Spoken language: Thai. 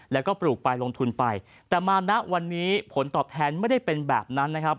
แล้วก็ปลูกไปลงทุนไปแต่มาณวันนี้ผลตอบแทนไม่ได้เป็นแบบนั้นนะครับ